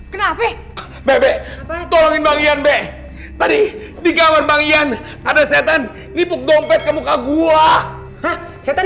kenapa bebek tolongin bangian be tadi di gaman bangian ada setan lipuk dompet ke muka gua setan